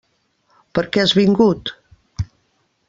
Per què has vingut?